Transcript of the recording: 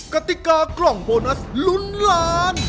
กติกากล่องโบนัสลุ้นล้าน